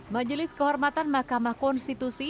majelis kehormatan makamah konstitusi